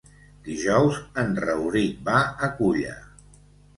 Dijous en Rauric va a Culla.